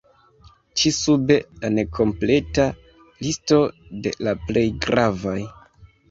Ĉi sube la nekompleta listo de la plej gravaj.